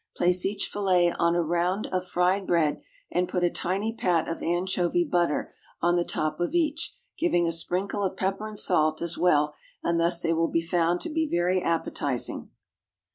Place each fillet on a round of fried bread, and put a tiny pat of anchovy butter on the top of each, giving a sprinkle of pepper and salt as well, and thus they will be found to be very appetising.